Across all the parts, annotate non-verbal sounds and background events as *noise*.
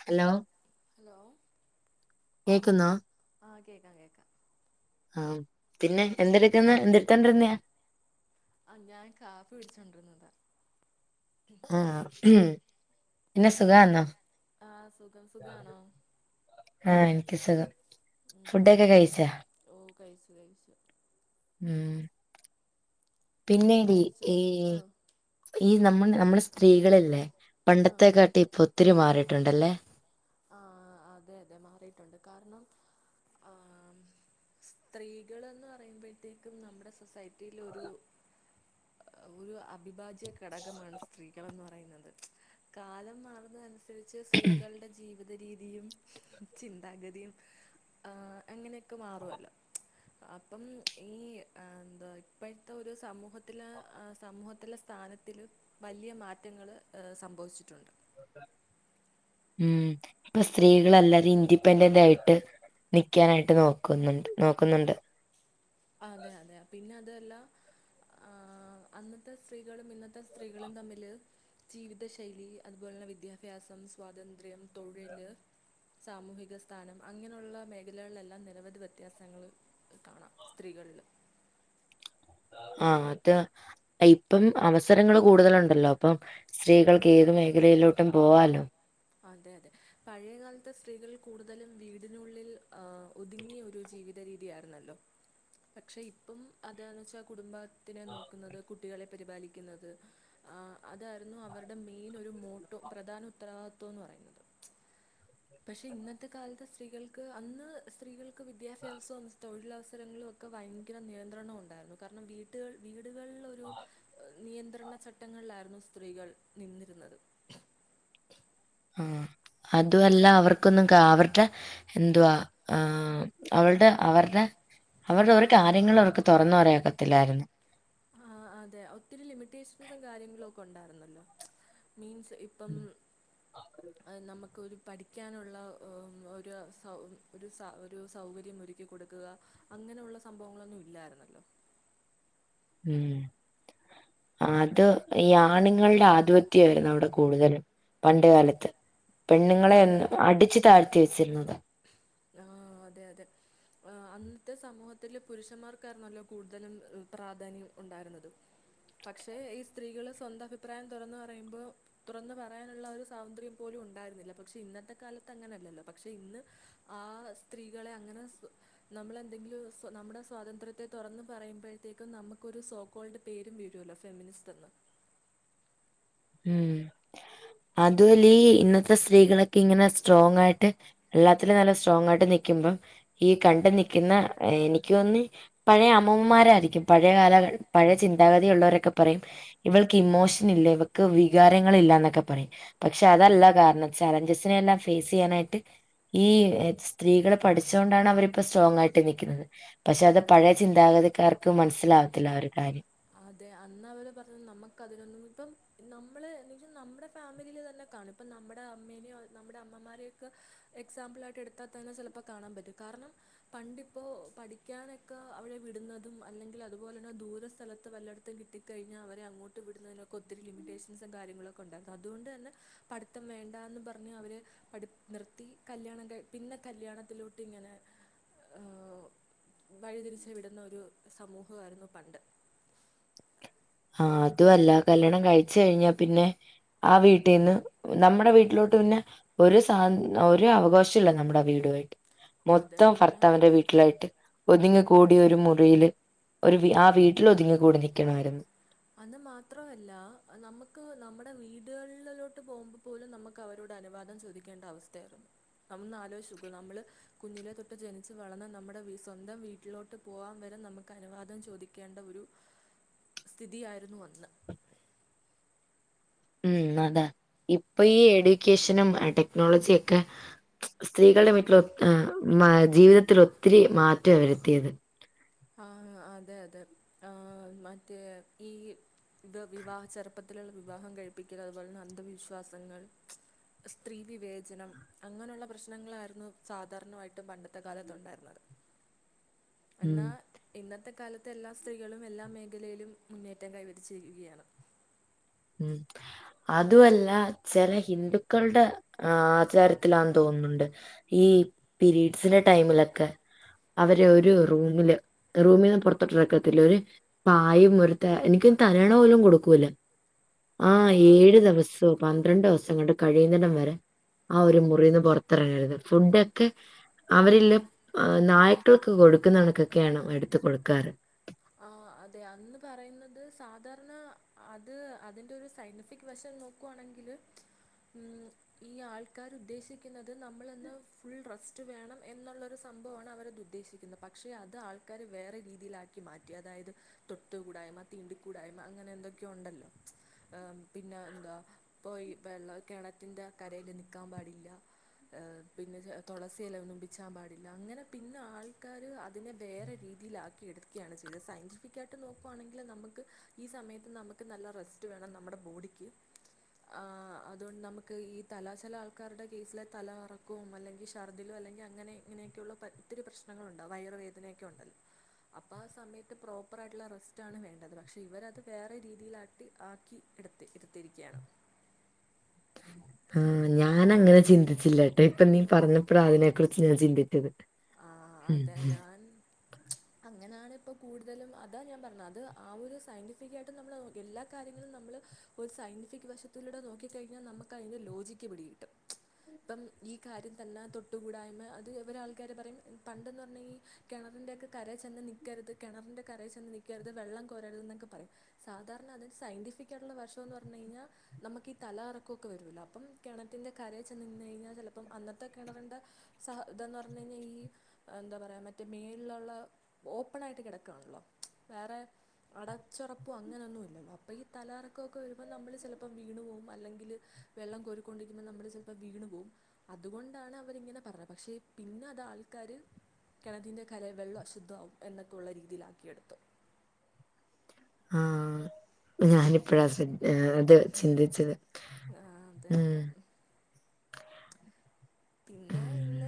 Hello hello കേക്ക്ന്നോ ആഹ് കേക്കാം കേക്കാ ആഹ് പിന്നെ എന്തെട്ക്ക്ന്ന് എന്ത്ട്ത്തൊണ്ടിരുന്നേയാ ആഹ് ഞാൻ കാപ്പി കുട്ച്ചോണ്ടിരുന്നതാ ആഹ് മ് പിന്നെ സുഖാന്നോ ആഹ് സുഖം സുഖണോ ആഹ് എനിക്ക് സുഖം ഫുഡൊക്കെ കയ്ച്ചാ ഓ കയിച്ചു കയ്യ് ഉം പിന്നെടി കഴിച്ചോ ഈ ആഹ് ഈ നമ്മൾ നമ്മളെ സ്ത്രീകള്ല്ലേ പണ്ടത്തെ ആഹ് കാട്ടി *unintelligible* ഒത്തിരി മാറിയിട്ടുണ്ടല്ലേ. ആഹ് അതെ അതെ മാറിയിട്ടുണ്ട് കാരണം ആ സ്ത്രീകളന്ന് പറയുമ്പോഴത്തേക്കും നമ്മുടെ സൊസൈ റ്റീലൊരു ഒരു അ ഭിഭാജ്യ ഘടകമാണ് സ്ത്രീകളെന്ന് പറയുന്നത് കാലം മാറുന്നതനു സരിച്ച് സ്ത്രീകളുടെ ജീ വിത രീതിയും ചിന്താഗതിയും ആഹ് അങ്ങനെയൊക്കെ മാറുവല്ലോ. അപ്പം ഈ എന്താ ഇപ്പോഴത്തെ ഒരു സമൂഹത്തിലെ അ സമൂഹത്തിലെ സ്ഥാനത്തില് വലിയ മാറ്റങ്ങള് അ സംഭവിച്ചിട്ടുണ്ട്. ഉം ഇപ്പൊ സ്ത്രീകളെല്ലാരും ഇൻഡിപെൻഡന്റ് ആയിട്ട് നിക്കാനായിട്ട് നോക്കുന്നുണ്ട് നോക്കുന്നുണ്ട്. അതെ അതെ പിന്നെ അതുവല്ല ആ അന്നത്തെ സ്ത്രീകളും ഇന്നത്തെ സ്ത്രീകളും തമ്മില് ജീവിത ശൈലി അതുപോലെ തന്നെ വിദ്യാഭ്യാസം സ്വാതന്ത്ര്യം തൊഴില് സാമൂഹിക സ്ഥാനം അങ്ങനെയുള്ള മേഖലകളിലെല്ലാം നിരവധി വ്യത്യാസങ്ങൾ കാണാം സ്ത്രീകളില് ആ അത് ഇപ്പം അവസരങ്ങൾ കൂടുതലുണ്ടല്ലോ അപ്പം സ്ത്രീകൾക്ക് ഏത് മേഖലയിലോട്ടും പോവാലോ അതെ അതെ പഴയകാലത്തെ സ്ത്രീകൾ കൂടുതലും വീടിനുള്ളിൽ ആ. ഒതുങ്ങിയ ഒരു ജീവിതം രീതി ആയിരുന്നല്ലോ പക്ഷെ ഇപ്പം അതാന്ന് വെച്ചാൽ കുടുംബ ത്തിെ നോക്കുന്നത് കുട്ടികളെ പരിപാലിക്കുന്നത് അതായിരുന്നു അവരുടെ മെയിൻ മോട്ടോ പ്രധാന ഉത്തരവാദി ന്ന് പറയുന്നത് പക്ഷെ ഇന്നത്തെ കാലത്ത് സ്ത്രീകൾക്ക് അന്ന് സ്ത്രീകൾക്ക് വിദ്യാഭ്യാസം തൊഴിലവ അവസരങ്ങളൊക്കെ ഭയങ്കര നിയന്ത്രണം ഉണ്ടായിരുന്നു കാരണം വീട്ടുകൾ വീ വീടുകളിലൊരു നിയന്ത്രണ ചട്ടങ്ങളിലായിരുന്നു സ്ത്രീകൾ നിന്നിരുന്നത് ആ അതു അല്ല അവർക്കൊന്നും അവർക്ക് എന്തുവാ ആ അവളെടെ അവർടെ അവരുടെ ഒരു കാര്യങ്ങൾ അവർക്ക് തുറന്നു പറയാൻഒക്കത്തില്ലായിരുന്നു ആ അതെ ഒത്തിരി ലിമിറ്റേഷൻസും കാര്യങ്ങളും ഒക്കെ ഉണ്ടായിരുന്നല്ലോ മീൻസ് ഇപ്പം ഉം. നമ ഒരു പഠിക്കാനുള്ള ഒ ഒ ഒരു സൗ ഒരു സ ഒരു സൗകര്യം ഒരുക്കി കൊടുക്കുക അങ്ങനെയുള്ള സംഭവങ്ങളൊന്നും ഇല്ലായിരുന്നല്ലോ ഉം അത് ഈ ആണുങ്ങളുടെ ആധിപത്യ അയിരുന്നു അവിടെ കൂടുതലും പണ്ട് കാലത്ത് പെണ്ണുങ്ങളെ അതെ അതെ അടിച്ചു താഴ്ത്തി വെച്ചിരുന്നത ആ അതെ അതെ അന്നത്തെ സമൂഹത്തിലെ പുരുഷന്മാർക്കായിരന്നല്ലോ കൂടുതലും പ്രാധാന്യം ഉണ്ടായിരുന്നതും. പക്ഷേ ഈ സ്ത്രീകള് സ്വന്തം അഭിപ്രായം തുറന്ന് പറയുമ്പം തുറന്ന് പറയാനുള്ള ഒരു സ്വാതന്ത്ര്യം പോലും ഉണ്ടായിരുന്നില്ല. പക്ഷേ ഇന്നത്തെ കാലത്ത് അങ്ങനെ അല്ലല്ലോ പക്ഷേ ഇന്ന് ആ സ്ത്രീകളെ അങ്ങനെ നമ്മള് എന്തെങ്കിലും സ്വ നമ്മുടെ സ്വാതന്ത്ര്യത്തെ തുറന്ന് പറയുമ്പഴത്തേക്കും നമുക്കൊരു സോകോൾഡ് പേരും വീഴുവല്ലോ ഫെമിനിസ്റ്റ് എന്ന് ഉം അതുവല്ലി ഈ ഇന്നത്തെ സ്ത്രീകളക്കെ ഇങ്ങനെ സ്ട്രോങ് ആയിട്ട് എല്ലാത്തിലും നല്ല സ്ട്രോങ് ആയിട്ട് നിൽക്കുമ്പം ഈ കണ്ട് നിൽക്കുന്ന എനിക്ക് തോന്നി പഴയ അമ്മുമ്മമാരായിരിക്കും പഴയ കാല ക പഴയ ചിന്താഗതിയുള്ളവരൊക്കെ പറയും ഇവൾക്ക് ഇമോഷൻ ഇല്ലേ എന്ന് ക്ക്‌ വികാരങ്ങൾ ഇല്ലന്നക്കെ പറയും പക്ഷെ അതല്ല കാരണം ചലഞ്ചസിനെ എല്ലാം ഫേസ് ചെയ്യാനായിട്ട് ഈ സ്ത്രീകളെ പഠിച്ചോണ്ടാണ് അവരിപ്പം സ്റ്റോങ്ങായിട്ട് നിക്കുന്നത് പക്ഷെ അത് പഴയ ചിന്താഗതിക്കാർക്ക് മനസ്സിലാവത്തില്ല ആ ഒരു കാര്യം അതെ അന്ന് അവർ പറഞ്ഞത് നമ്മക്ക് അതിനൊന്നും ഇപ്പം നമ്മളെ ണെങ്കിൽ നമ്മുടെ ഫാമിലിയിൽ തന്നെ കാണും ഇപ്പം നമ്മടെ അമ്മേനെയോ നമ്മടെ അമ്മമാരെയൊക്കെ എക്സാംപിളായിട്ട് ആയിട്ട് എടുത്താൽ തന്നെ ചിലപ്പോൾ കാണാൻ പറ്റും കാരണം പണ്ടി ഇപ്പോൾ പഠിക്കാനക്കെ അവിടെ വിടുന്നതും അല്ലെങ്കിൽ അതുപോലെ തന്നെ ദൂരെ സ്ഥല വല്ലയിടത്തും കിട്ടി കഴിഞ്ഞാൽ അവരെ അങ്ങോട്ട് വിടുന്നതിനൊക്കെ ഒത്തിരി ലിമിറ്റേഷൻസ് കാര്യങ്ങളൊക്കെ ഉണ്ടായിരുന്നു. അതുകൊണ്ട് തന്നെ പഠിത്തം വേണ്ട എന്ന് പറഞ്ഞ് അവരെ പഠി നിർത്തി കല്യാണം കഴി പിന്നെ കല്യാണത്തിലോട്ട് ഇങ്ങനെ വഴിതിരിച്ച് വിടുന്ന ഒരു സമൂഹം ആയിരുന്നു പണ്ട് ആഹ അതു അല്ല കല്യാണം കഴിച്ച് കഴിഞ്ഞാ പിന്നെ ആ വീട്ടിന്ന് നമ്മുടെ വീട്ടിലോട്ട് പിന്നെ ഒരു സ്വ ഒരു അവകാശവുമില്ല നമ്മുടെ വീടുവായിട്ട് അതെ മൊത്തം പിന്നെ ഭർത്താവിന്റെ വീട്ടിലായിട്ട് ഒതുങ്ങി കൂടി ഒരു മുറിയിലെ ഒരു ആ വീട്ടിൽ ഒതുങ്ങി കൂടി നിക്കണുണ്ട് അന്ന് മാത്രമല്ല നമ്മക്ക് നമ്മടെ വീടുകളിലോട്ട് പോകുമ്പോ പോലും നമ്മക്ക് അവരോട് അനുവാദം ചോദിക്കേണ്ട അവസ്ഥ ആയിരുന്നു നമ്മളൊന്ന് ആലോചിച്ചു ഓക്ക് നമ്മള് കുഞ്ഞിലെ തൊട്ട് ജനിച്ചു വളർന്ന് നമ്മടെ സ്വന്തം വീട്ടിലോട്ട് പോവാൻ വരെ നമുക്ക് അനുവാദം ചോദിക്കേണ്ട ഒരു സ്ഥിതി ആയിരുന്നു അന്ന് ഉം അതാ ഇപ്പം ഈ എഡ്യൂക്കേഷനും അടെക്നോളജി ഒക്കെ സ്ത്രീകളുടെ വീട്ടിൽ ജീവിതത്തിൽ ഒത്തിരി മാറ്റം അവ വരുത്തിയത്. ആ അതെ അതെ ആ മറ്റേ ഈ ഇത് വിവാഹ ചെറുപ്പത്തിലുള്ള വിവാഹം കഴിപ്പിക്കൽ, അതുപോലെ തന്നെ അന്ധവിശ്വാസങ്ങൾ, സ്ത്രീ വിവേചനം അങ്ങനെയുള്ള പ്രശ്നങ്ങളായിരുന്നു സാധാരണവായിട്ടും പണ്ടത്തെ കാലത്ത് ഉണ്ടായിരുന്നത് ഉം ഇന്നത്തെ കാലത്ത് എല്ലാ സ്ത്രീകളും എല്ലാ മേഖലയിലും മുന്നേറ്റം കൈവരിച്ചിരിക്കുകയാണ് ഉം അതുമല്ല ചില ഹിന്ദുക്കളുടെ ആചാരത്തിലാ തോന്നുന്നുണ്ട് ഈ പീരീഡ്സിന്റെ ടൈമിലൊക്കെ അവര് ഒരു റൂമില് റൂമിന്ന് പുറത്തോട്ട് ഇറക്കത്തില്ല അവര് പായും ഒരു തല എനിക്ക് തലയണ പോലും കൊടുക്കൂല്ല ആ ഏഴ് അതെ അതെ ദിവസവും പന്ത്രണ്ട് ദിവസം തങ്ങളുടെ കഴിയുന്നടം വരെ ആ ഒരു മുറിന്ന് പൊറത്തിറങ്ങരുത് ഫുഡ്ടെക്കെ അവരില്ലെ നായ്ക്കൾക്ക് കൊടുക്കുന്ന ഒണക്കൊക്കെയാണ് എടുത്ത് കൊടുക്കാറ് ആ അതെ അന്ന് പറയുന്നത് സാധാരണ അത് അതിന്റെ ഒരു സയന്റിഫിക് വശം നോക്കുവാണെങ്കില് ഈ ആൾക്കാർ ഉദ്ദേശിക്കുന്നത് നമ്മളന്ന് ഫുൾ റെസ്റ്റ് വേണം എന്നുള്ളൊരു സംഭവമാണ് അവരത് ഉദ്ദേശിക്കുന്നത് പക്ഷെ അത് ആൾക്കാര് വേറെ രീതിയിൽ ആ കി മാറ്റി അതായത് തൊട്ട് കൂടായ്മ തീണ്ടിക്കൂടായ്മ അങ്ങനെ എന്തൊക്കെയോ ഒണ്ടല്ലോ പിന്നെ എന്താ പോയി വെള്ള കെണ *unintelligible* കരേല് നിക്കാൻ പാടില്ല ഏഹ് പിന്നെ തുളസി ഇല ഒന്നും പിച്ചാൻ പാടില്ല അങ്ങനെ പിന്നെ ആൾക്കാര് അ *unintelligible* വേറെ രീതിയിലാക്കി എടു ഇക്കയാണ് ചെയ്ത് സയന്റിഫിക് ആയിട്ട് നോക്കുവാണെങ്കിൽ നമ്മക്ക് ഈ സമയത്ത് നമ്മക്ക് നല്ല റെസ്റ്റ് വേണം. നമ്മുടെ ബോഡിക്ക് ആ അതുകൊണ്ട് നമ്മക്ക് ഈ തലാശല ആൾക്കാരുടെ കേസിലെ തലകറക്കവും, അല്ലെകിൽ ഛർദിലോ അല്ലെങ്കിൽ അങ്ങനെ ഇങ്ങനെയൊക്കെയുള്ള ഒത്തിരി പ്രശ്നങ്ങള ഉണ്ടാവും വയറുവേദനയൊക്കെ ഒണ്ടല്ലോ അപ്പൊ ആ സമയത്ത് പ്രോപ്പർ ആയിട്ടുള്ള റെസ്റ്റ് ആണ് വേണ്ടത്. പക്ഷെ ഇവരത് വേറെ രീതിയിലാക്കി ആക്കി എടുത്തി എടുത്തിരിക്കുകയാണ് ആ ഞാൻ അങ്ങനെ ചിന്തിച്ചില്ലട്ടോ ഇപ്പ നീ പറഞ്ഞപ്പഴാ അതിനെ കുറിച്ച് ഞാൻ ചിന്തിച്ചത് ആഹ് ഉം ഉം അങ്ങനെയാണ് ഇപ്പം കൂടുതലും അതാ ഞാൻ പറഞ്ഞത് അത് ആ ഒരു സയന്റിഫിക് ആയിട്ടും നമ്മളെ എല്ലാ കാര്യങ്ങളും നമ്മളെ ഒരു സയന്റിഫിക് വശത്തിലൂടെ നോക്കിക്കഴിഞ്ഞാൽ നമ്മക്ക് അതിൻ്റെ ലോജിക്ക് പിടി കിട്ടും ഇപ്പം ഈ കാര്യം തന്നെ തൊട്ടുകൂടായ്മ അത് ഒരാൾ ക്കരെ പറയും പണ്ടെന്ന് പറഞ്ഞകഴി കിണറിന്റെക്കെ കര ചെന്ന് നിക്കരുത് കിണറിൻന്റെ കരയിൽ ചെന്ന് നിൽക്കരുത് വെള്ളം കോരരുത് എന്നൊക്കെ പറയും സാധാരണ അതിന് സയന്റിഫിക്കായിട്ടുള്ള വശം ഒന്ന് പറഞ്ഞു കഴിഞ്ഞാൽ നമ്മക്ക് ഈ തല കറക്കവൊക്കെ വരുവലല്ലോ അപ്പം കിണറ്റിന്റെ കരയിൽ ചെന്ന് നി കഴിഞ്ഞൽ ചിലപ്പം അന്നത്തെ കിണറിന്റെ സഹ *unintelligible* പറ കഴിഞ്ഞാൽ ഈ എന്താ പറയയാ മറ്റേ മേളിലുള്ള ഓപ്പൺ ആയിട്ട് കിടക്കുകയാണല്ലോ വേറെ അടച്ചൊറപ്പും അങ്ങനെ ഒന്നും ഇല്ലല്ലോ അപ്പം ഈ തലകറവൊക്കെ വരുമ്പോൾ നമ്മളെ ചിലപ്പോൾ വീണു പോകും അല്ലെങ്കിൽ വെള്ളം കൊരിക്കൊണ്ടിരിക്കുമ്പൾ നമ്മളെ ചിലപ്പോ വീണു പോവും അതുകൊണ്ടാണ് അവരിങ്ങനെ പറഞ്ഞത് പക്ഷെ ഇ പിന്നെ അത ആൾക്കാര് കിണറ്റിൻ്റെ കരയിൽ വെള്ളം അശുദ്ധവാക്കും എന്നൊക്കെ ഉള്ള രീതിലാക്കിയെടുത്തു. ആ ഞാനി ഇപ്പഴാ ശ്ര ആ അത് ചിന്തിച്ചത് ആ, അതെ ഉം അതെ ഉം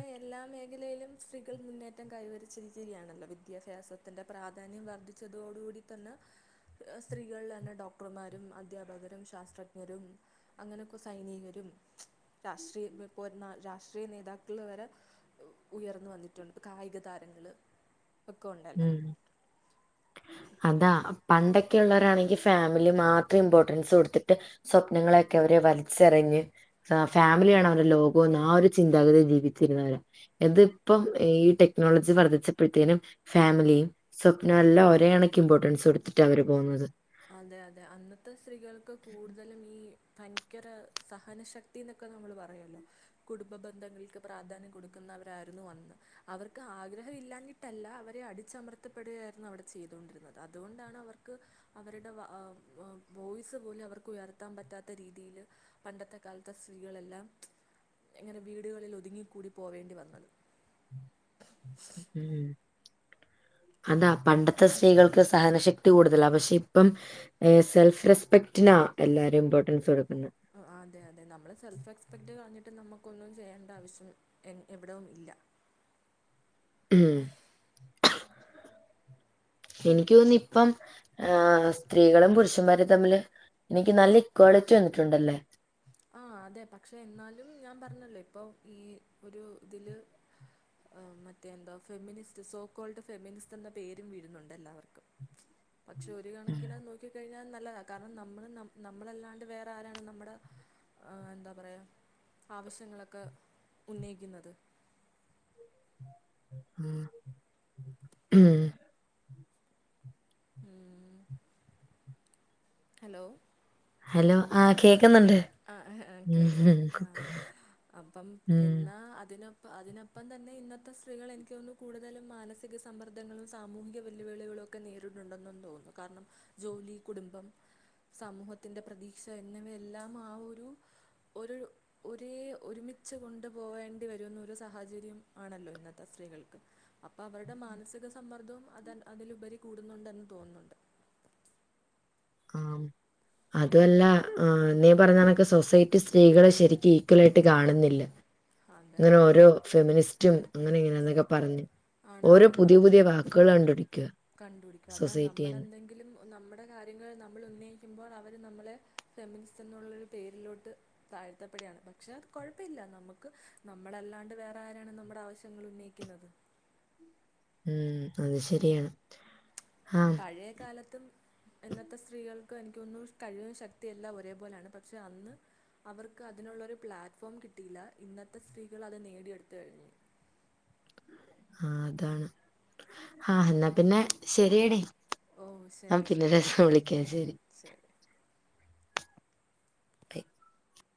നിലയിലും സ്ത്രീകൾ മുന്നേറ്റം കൈവരിച്ചിരിക്കുകയാണല്ലോ വിദ്യാഭ്യാസത്തിന്റെ പ്രാധാന്യം വർദ്ധിച്ചതോടുകൂടി തന്നെ സ്ത്രീകൾ തന്നെ ഡോക്ടർമാരും, അദ്ധ്യാപകരും, ശാസ്ത്രജ്ഞരും, അങ്ങനെക്കെ സൈനികരും, രാഷ്ട്രീയ *unintelligible* *unintelligible* രാഷ്ട്രീയ നേതാക്കൾ വരെ ഉയർന്നു വന്നിട്ടുണ്ട് കായിക താരങ്ങള് ഉം അതാ പണ്ടൊക്കെ ഉള്ളോരാണെങ്കി ഫാമിലി മാത്രം ഇമ്പോർട്ടൻസ് കൊടുത്തിട്ട് സ്വപ്നങ്ങളൊക്കെ അവര് വലിച്ചെറിഞ്ഞ് ഫാമിലിയാണ് അവരുടെ ലോകോന്ന് ആ ഒരു ചിന്താഗതിയിൽ ജീവിക്കുന്നവരാ എന്താ ഇപ്പം ഈ ടെക്നോളജി വർദ്ധിച്ചപ്പഴ്ത്തേനും- ഫാമിലിയും സ്വപ്നവും എല്ലാം ഒരേണക്ക് ഇമ്പോർട്ടൻസ് കൊടുത്തിട്ട് ആ അവര് പോന്നത് അതെ അതെ അന്നത്തെ സ്ത്രീകൾക്ക് കൂടുതലും ഈ ഭയങ്കര സഹന ശക്തിന്നൊക്കെ നമ്മള് പറയുവല്ലോ കുടുംബ ബന്ധങ്ങൾക്ക് പ്രാധാന്യം കൊടുക്കുന്നവരാരുന്നു അന്ന് അവർക്ക് ആഗ്രഹം ഇല്ലാഞ്ഞിട്ടല്ല അവരെ അടിച്ചമർത്തപ്പെടുകയായിരുന്നു അവിടെ ചെയ്തൊണ്ടിരുന്നത് അതുകൊണ്ടാണ് അവർക്ക്- അവരുടെ വാ വോയ്സ് പോലും അവർക്കുയർത്താൻ പറ്റാത്ത രീതിയിൽ പണ്ടത്തെ കാലത്തെ സ്ത്രീകളെല്ലാം ഇങ്ങനെ വീടുകളിൽ ഒതുങ്ങിക്കൂടി പോവേണ്ടി വന്നത്. ഉം അതാ പണ്ടത്തെ സ്ത്രീകൾക്ക് സഹന ശക്തി കൂടുതലാ പക്ഷെ ഇപ്പം സെൽഫ് റെസ്പെക്റ്റിനാ എല്ലാരും ഇമ്പോർട്ടൻസ് കൊടുക്കു അതെ അതെ നമ്മള് സെൽഫ് റെസ്പെക്ട് കളഞ്ഞിട്ട് നമ്മു ക്ക്‌ ഒന്നും ചെയ്യേണ്ട ആവശ്യം എ എവിടവും ഇല്ല ഉം എനിക്ക്‌ തോന്നുന്നു ഇപ്പം ആ സ്ത്രീകളും പുരുഷന്മാരും തമ്മില് എനിക്ക് നല്ല ഇക്വാലിറ്റി വന്നിട്ടുണ്ടല്ലേ ആ അതെ പക്ഷെ എന്നാലും ഞാൻ പറഞ്ഞല്ലോ ഇപ്പൊ ഈ ഒരു ഇതില് മറ്റേ എന്താ ഫെമിനിസ്റ്റ് സോ കോൾഡ് ഫെമിനിസ്റ്റ് എന്ന പേരും വീഴുന്നുണ്ട് എല്ലാവർക്കും പക്ഷെ ഒരു ഉം കണക്കിന് നോക്കി കഴിഞ്ഞാൽ ന ല്ലതാ കാരണം നമ്മൾ നമ്മളല്ലാണ്ട് വേറെ ആരാണ് നമ്മടെ ആ എന്താ പറയാ ആവശ്യങ്ങളൊക്കെ ഉന്നയിക്കുന്നത് ആ ഉം ഉം ഹലോ ഹലോ ആഹ് കേക്കുന്നുണ്ട് ആ ആ കേക്കാം ഉം ആ അപ്പം ഉം എന്നാ അതിനൊ പ്പം അതിനൊപ്പം തന്നെ ഇന്നത്തെ സ്ത്രീകൾ എനിക്ക് തോന്നുന്നു കൂടുതലും മാനസിക സമ്മർദ്ദങ്ങളും സാമൂഹിക വെല്ലുവിളികളും ഒക്കെ നേരിടുന്നുണ്ടെന്ന് തോന്നുന്നു കാരണം ജോലി കുടുംബം സമൂഹത്തിന്റെ പ്രതീക്ഷ എന്നിവയെല്ലാം ആ ഒരു ഒരു ഒരേ ഒരുമിച്ച് കൊണ്ട് പോവേണ്ടി വരുന്നൊരു ഒരു സാഹചര്യം ആണല്ലോ ഇന്നത്തെ സ്ത്രീകൾക്ക് അപ്പൊ അവരുടെ മാനസിക സമ്മർദ്ദവും അത് അതിലുപരി കൂടുന്നുണ്ടെന്ന് തോന്നുന്നുണ്ട് ആ അതുവല്ല ആ നീ പറഞ്ഞോണക്ക് സൊസൈറ്റി സ്ത്രീകളെ ശരിക്കും ഈക്വലായിട്ട് കാണുന്നില്ല അതെ അങ്ങനെ അതെ ഓരോ ഫെമിനിസ്റ്റും അങ്ങനെ ഇങ്ങനെന്നൊക്കെ പറഞ്ഞ് ഓരോ പുതിയ പുതിയ വാക്കുകള് കണ്ട് പിടിക്കുക കണ്ടുപിടിക്കും അതാ നമ്മളെന്തെങ്കിലും നമ്മുടെ കാര്യങ്ങൾ നമ്മള് ഉന്നയിക്കുമ്പോൾ അവര് നമ്മളെ ഫെമിനിസ്റ്റ് എന്നുള്ളൊരു പേരിലോട്ട് താഴ്ത്തപ്പെടയാണ് പക്ഷെ അത് കുഴപ്പമില്ല നമുക്ക് നമ്മളല്ലാണ്ട് വേറെ ആരാണ് നമ്മുടെ ആവശ്യങ്ങൾ ഉന്നയിക്കുന്നത് ഉം അത് ശരിയാണ് ആഹ് പഴയകാലത്ത് തും എന്നത്തെ സ്ത്രീകൾ ഇപ്പം എനിക്കോന്നു കഴിവും ശക്തി എല്ലാം ഒരേപോലെയാണ് പക്ഷെ അന്ന് അവർക്ക് അതിനുള്ളരു പ്ലാറ്റ്ഫോം കിട്ടിയില്ല ഇന്നത്തെ സ്ത്രീകൾ അത് നേടിയെടുത്ത് കഴിഞ്ഞു ആ അതാണ് ഹ എന്നാ പിന്നെ ശരിയടി ഓ ആ ശരി പിന്നെ ശരി രസ ഉളിക്ക ശരി ശരി പെക്